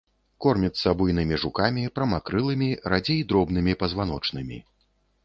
Корміцца буйнымі жукамі, прамакрылымі, радзей дробнымі пазваночнымі.